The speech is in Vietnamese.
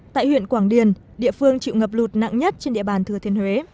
tại huyện quảng điền địa phương chịu ngập lụt nặng nhất trên địa bàn thừa thiên huế